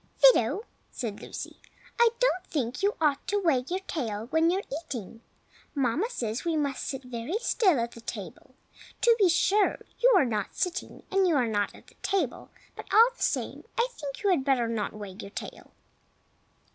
"Fido," said Lucy, "I don't think you ought to wag your tail when you are eating. Mamma says we must sit very still at the table. To be sure, you are not sitting, and you are not at the table, but, all the same, I think you had better not wag your tail."